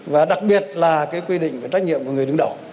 và đặc biệt là cái quy định về trách nhiệm của người đứng đầu